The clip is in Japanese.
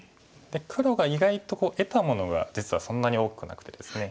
黒が意外と得たものが実はそんなに多くなくてですね。